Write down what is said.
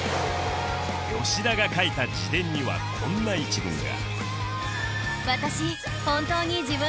吉田が書いた自伝にはこんな一文が